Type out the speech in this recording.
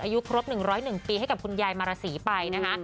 อายุครบ๑๐๑ปีให้กับคุณยายมาราศีไปนะคะ